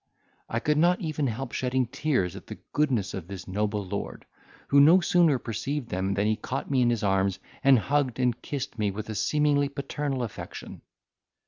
I could not even help shedding tears at the goodness of this noble lord, who no sooner perceived them than he caught me in his arms, and hugged and kissed me with a seemingly paternal affection.